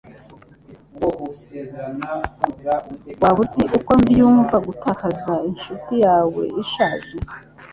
Waba uzi uko byumva gutakaza inshuti yawe ishaje?